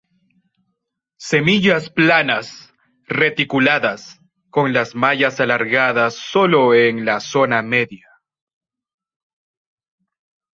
Semillas planas, reticuladas, con las mallas alargadas solo en la zona media.